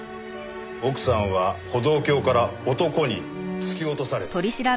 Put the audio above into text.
奥さんは歩道橋から男に突き落とされたと。